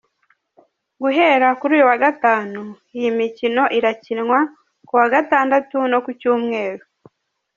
Guhera kuri uyu wa gatanu iyi mikino irakinwa, ku wa gatandatu no ku Cyumweru.